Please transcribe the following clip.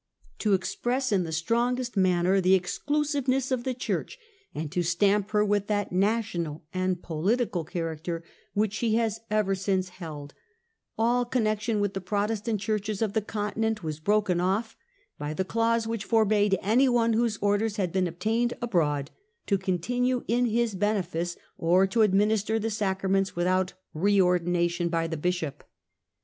To express in the strongest manner the exclusiveness of the Church, and to stamp her with that national and political character which she has ever since held, all connection with the Pro testant churches of the Continent was broken off, by the clause which forbade anyone whose orders had been ob tained abroad, to continue in his benefice or to administer the sacraments without re ordination by the bishop.